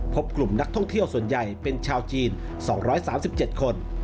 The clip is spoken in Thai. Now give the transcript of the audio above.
พบกลุ่มนักท่องเที่ยวส่วนใหญ่เป็นชาวจีน๒๓๗คน